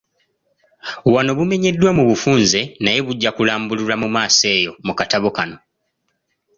Wano bumenyeddwa mu bufunze naye bujja kulambululwa mu maaso eyo mu katabo kano.